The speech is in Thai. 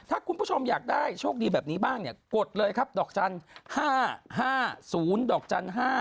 ถ้าคุณผู้ชมอยากได้โชคดีแบบนี้บ้างเนี่ยกดเลยครับดอกจันทร์๕๕๐ดอกจันทร์๕